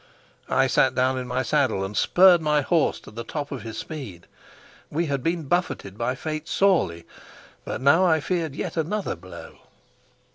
I sat down in my saddle and spurred my horse to the top of his speed. We had been buffeted by fate sorely, but now I feared yet another blow.